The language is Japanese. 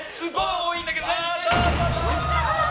多いんだけど。